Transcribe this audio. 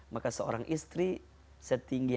maka seorang istri setinggi